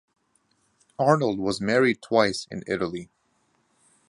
Arnold was married twice in Italy.